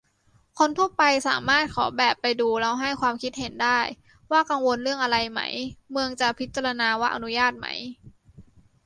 คนทั่วไปสามารถขอแบบไปดูแล้วให้ความคิดเห็นได้ ว่ากังวลเรื่องอะไรไหม เมืองจะพิจารณาว่าอนุญาตไหม